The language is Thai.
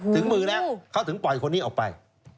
ถึงมือแล้วเขาถึงปล่อยคนนี้ออกไป